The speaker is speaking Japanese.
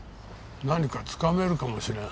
何かつかめるかもしれん。